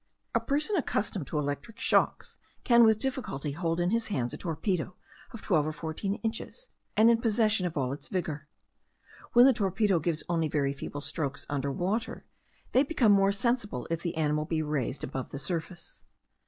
A person accustomed to electric shocks can with difficulty hold in his hands a torpedo of twelve or fourteen inches, and in possession of all its vigour. When the torpedo gives only very feeble strokes under water, they become more sensible if the animal be raised above the surface.